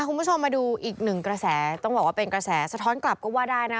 คุณผู้ชมมาดูอีกหนึ่งกระแสต้องบอกว่าเป็นกระแสสะท้อนกลับก็ว่าได้นะ